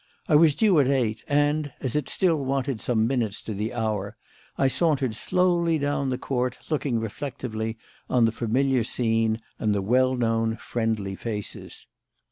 I was due at eight, and, as it still wanted some minutes to the hour, I sauntered slowly down the court, looking reflectively on the familiar scene and the well known friendly faces.